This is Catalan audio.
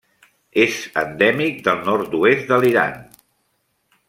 És endèmic del nord-oest de l'Iran.